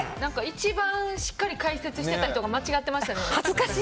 一番しっかり解説していた人が間違ってましたね。